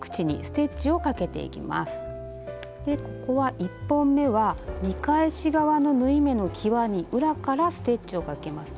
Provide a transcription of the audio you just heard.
１本めは見返し側の縫い目のきわに裏からステッチをかけます。